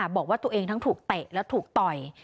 บอกว่าตัวเองทั้งถูกเตะและถูกต่อย